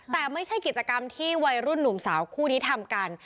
แต่ไม่ใช่กิจกรรมที่วัยรุ่นหนุ่มสาวคู่นี้ทำกัน